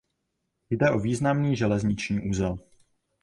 Jde o významný železniční uzel.